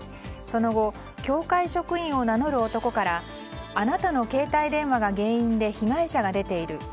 その後、協会職員を名乗る男からあなたの携帯電話が原因で被害者が出ている。